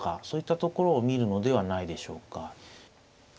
そういったところを見るのではないでしょうか。